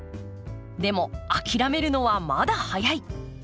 でも諦めるのはまだ早い。